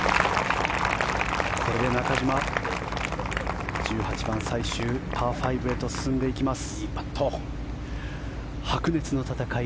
これで中島、１８番最終パー５へと進んでいきます。